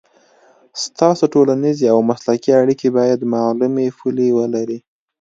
ستاسو ټولنیزې او مسلکي اړیکې باید معلومې پولې ولري.